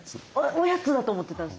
おやつだと思ってたんです。